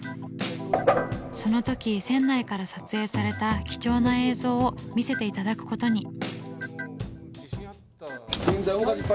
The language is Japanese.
その時船内から撮影された貴重な映像を見せて頂くことに。